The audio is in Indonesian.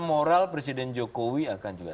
moral presiden jokowi akan juga